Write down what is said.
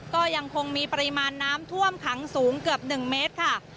ก็ยังคงมีปริมาณน้ำท่วมขังสูงเกือบ๑เมตรค่ะ